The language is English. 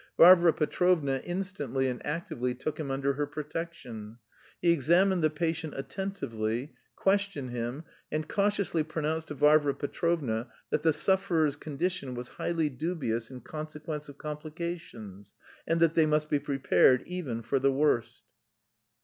Varvara Petrovna instantly and actively took him under her protection. He examined the patient attentively, questioned him, and cautiously pronounced to Varvara Petrovna that "the sufferer's" condition was highly dubious in consequence of complications, and that they must be prepared "even for the worst."